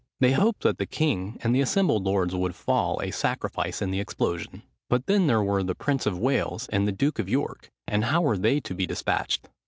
They hoped that the king and the assembled lords would fall a sacrifice in the explosion: but then there were the prince of Wales and the duke of York, and how were they to be despatched?